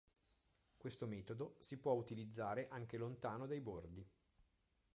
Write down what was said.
Questo metodo si può utilizzare anche lontano dai bordi.